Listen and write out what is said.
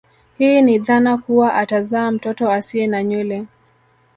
Hii ni dhana kuwa atazaa mtoto asie na nywele